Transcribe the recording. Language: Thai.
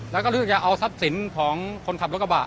แล้วก็เลือกจะเอาทรัพย์สินของคนขับรถกระบะ